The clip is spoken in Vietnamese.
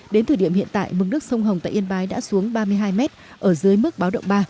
đến thời điểm hiện tại mực nước sông hồng tại yên bái đã xuống ba mươi hai mét ở dưới mức báo động ba